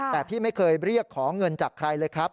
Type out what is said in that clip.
แต่พี่ไม่เคยเรียกขอเงินจากใครเลยครับ